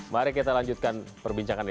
mari kita lanjutkan perbincangan ini